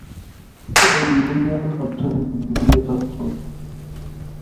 এই ইউনিয়ন অর্থনৈতিক দিক দিয়ে সচ্ছল।